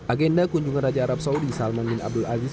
agenda kunjungan raja arab saudi salman bin abdul aziz